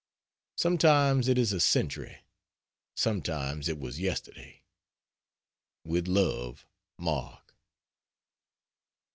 Sometimes it is a century; sometimes it was yesterday. With love MARK.